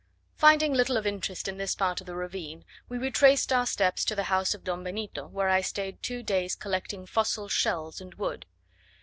Finding little of interest in this part of the ravine, we retraced our steps to the house of Don Benito, where I stayed two days collecting fossil shells and wood.